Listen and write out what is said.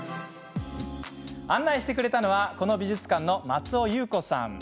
案内してくれたのはこの美術館の松尾由子さん。